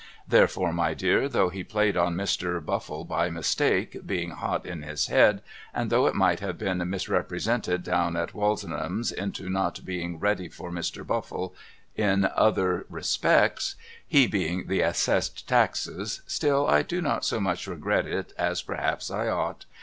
Therefore my dear though he played on Mr. Buffle by mistake being hot in his head, and though it might have been misrepresented down at Wozenham's into not being ready for Mr. Buffle in other respects he being the Assessed Taxes, still I do not so much regret it as perhaps I ought.